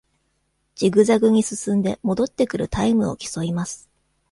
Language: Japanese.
ジグザグに進んで戻ってくるタイムを競います